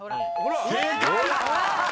［正解！］